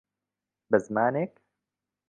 به زمانێک،